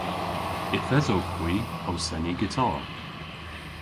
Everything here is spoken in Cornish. Yth esowgh hwi ow seni gitar.